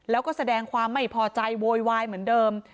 แล้วก็แสดงความไม่พอใจโวยวายเหมือนเดิม